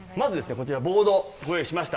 こちらボードご用意しました。